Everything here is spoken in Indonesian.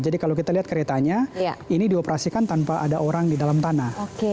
jadi kalau kita lihat keretanya ini dioperasikan tanpa ada orang di dalam tanah